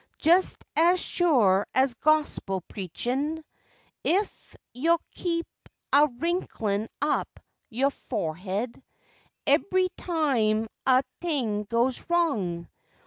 Jest as sure as gospel preachin', Ef yo' keep a wrinklin' up yo' for'ed Ebry time a t'ing goes wrong.